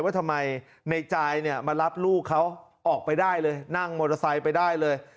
ว่าทำไมในจายเนี่ยมารับลูกเขาออกไปได้เลยนั่งมอเตอร์ไซค์ไปได้เลย